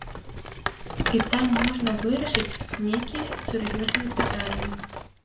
І там можна вырашыць нейкія сур'ёзныя пытанні.